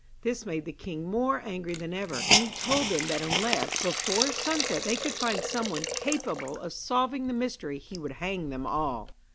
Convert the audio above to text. This made the king more angry than ever, and he told them that unless before sunset they could find someone capable of solving the mystery he would hang them all.